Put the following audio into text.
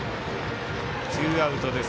ツーアウトです。